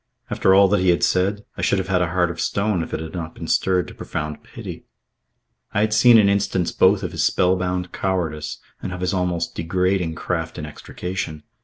After all that he had said, I should have had a heart of stone if it had not been stirred to profound pity. I had seen an instance both of his spell bound cowardice and of his almost degrading craft in extrication.